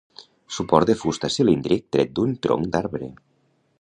Suport de fusta cilíndric tret d'un tronc d'arbre.